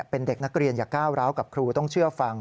เป็นเด็กนักเรียนอย่าก้าวร้าวกับครูต้องเชื่อฟัง